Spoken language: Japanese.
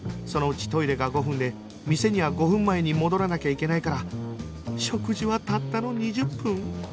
そのうちトイレが５分で店には５分前に戻らなきゃいけないから食事はたったの２０分？